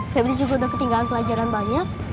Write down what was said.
febri juga udah ketinggalan pelajaran banyak